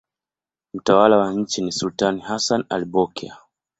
Mtawala wa nchi ni sultani Hassan al-Bolkiah.